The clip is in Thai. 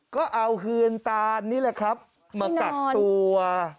ก็เอาเฮือนตานนี่แหละครับมากักตัว